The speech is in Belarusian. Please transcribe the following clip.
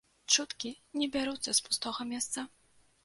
Чуткі не бяруцца з пустога месца.